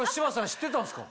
知ってたんすか？